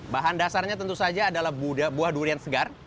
bahan dasarnya tentu saja adalah buah durian segar